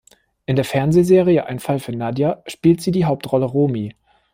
In der Fernsehserie "Ein Fall für Nadja" spielte sie die Hauptrolle "Romy".